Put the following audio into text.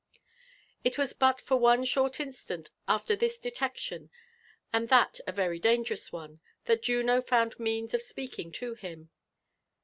It was but for one short instant after this detection, and that a very dangerous one, thai Juno found means of speaking to him.